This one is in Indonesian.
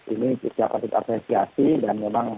ini dicapati asasiasi dan memang